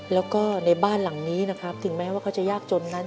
แล้วก็ในบ้านหลังนี้นะครับถึงแม้ว่าเขาจะยากจนนั้น